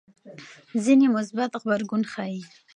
ځینې مثبت غبرګون ښيي.